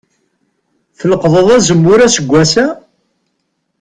Tleqḍeḍ azemmur aseggas-a?